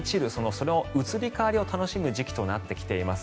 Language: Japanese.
その移り変わりを楽しむ時期となってきています。